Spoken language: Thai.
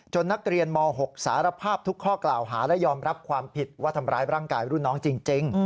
นักเรียนม๖สารภาพทุกข้อกล่าวหาและยอมรับความผิดว่าทำร้ายร่างกายรุ่นน้องจริง